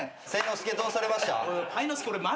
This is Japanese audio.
介どうされました？